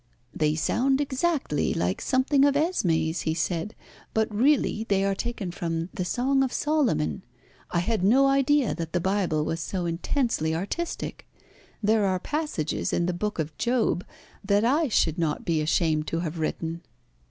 "They sound exactly like something of Esmé's," he said, "but really they are taken from the 'Song of Solomon.' I had no idea that the Bible was so intensely artistic. There are passages in the Book of Job that I should not be ashamed to have written."